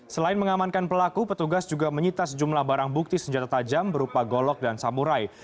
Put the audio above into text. selain mengamankan pelaku petugas juga menyita sejumlah barang bukti senjata tajam berupa golok dan samurai